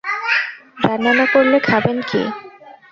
রান্না না করলে খাবেন কী?